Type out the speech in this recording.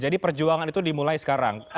jadi perjuangan itu dimulai sekarang